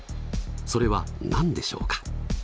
それは何でしょうか？